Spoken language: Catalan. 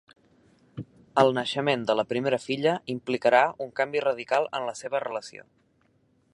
El naixement de la primera filla implicarà un canvi radical en la seva relació.